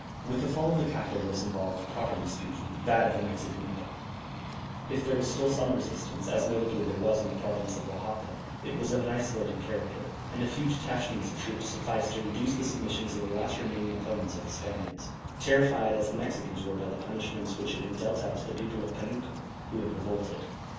With the fall of the capital was involved, properly speaking, that of the Mexican empire; if there were still some resistance, as notably there was in the province of Oaxaca, it was of an isolated character, and a few detachments of troops sufficed to reduce to submission the last remaining opponents of the Spaniards, terrified as the Mexicans were by the punishments which had been dealt out to the people of Panuco, who had revolted.